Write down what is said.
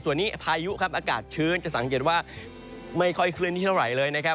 ส่วนนี้พายุครับอากาศชื้นจะสังเกตว่าไม่ค่อยเคลื่อนที่เท่าไหร่เลยนะครับ